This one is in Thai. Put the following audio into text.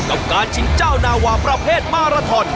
กับการชิงเจ้านาวาประเภทมาราทอน